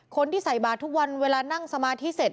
คนที่ใส่บาททุกวันเวลานั่งสมาธิเสร็จ